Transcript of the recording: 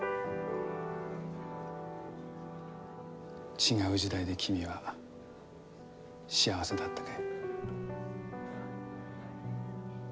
違う時代で君は幸せだったかい？